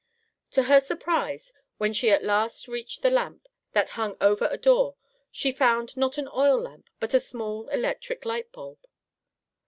To her surprise, when she at last reached the lamp that hung over a door, she found not an oil lamp, but a small electric light bulb.